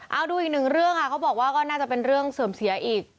เอาดูอีกหนึ่งเรื่องค่ะเขาบอกว่าก็น่าจะเป็นเรื่องเสื่อมเสียอีก